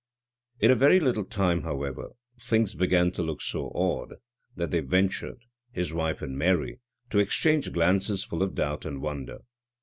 In a very little time, however, things began to look so odd, that they ventured, his wife and Mary, to exchange glances full of doubt and wonder.